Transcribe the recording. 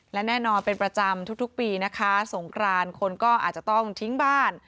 และแน่นอนเป็นประจำทุกปีนะคะสงกรานคนก็อาจจะต้องทิ้งบ้าน